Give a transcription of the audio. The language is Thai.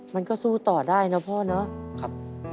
มันก็สู้ต่อได้นะพ่อเนาะ